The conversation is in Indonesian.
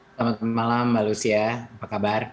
selamat malam mbak lucia apa kabar